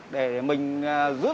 để mình giúp